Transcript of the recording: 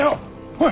おい。